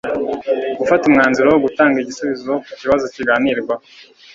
gufata umwanzuro gutanga igisubizo ku kibazo kiganirwaho